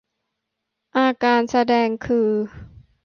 อาการแสดงคือ